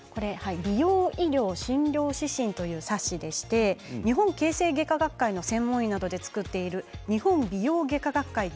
美容医療診療指針という冊子でして日本形成外科学会の専門医などで作っている日本美容外科学会